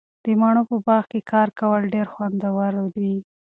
د مڼو په باغ کې کار کول ډیر خوندور وي.